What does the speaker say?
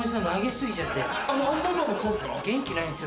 元気ないんですよ